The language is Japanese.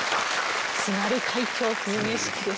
『津軽海峡・冬景色』です。